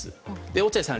落合さん